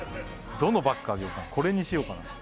どのバッグあげようかこれにしようかな？